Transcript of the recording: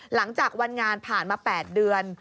หลังจากวันงานผ่านมา๘เดือน